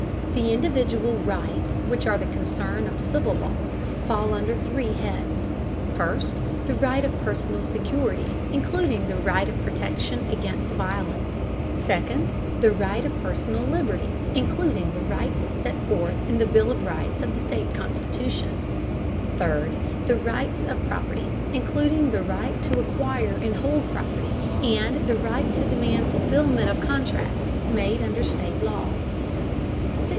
The individual rights which are the concern of civil law fall under three heads: First, the right of personal security, including the right of protection against violence; second, the right of personal liberty, including the rights set forth in the bill of rights of the state constitution; third, the rights of property, including the right to acquire and hold property, and the right to demand fulfilment of contracts made under state law. 617.